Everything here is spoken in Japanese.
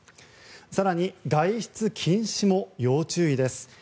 更に、外出禁止も要注意です。